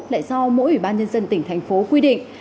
lại do mỗi ủy ban nhân dân tỉnh thành phố quy định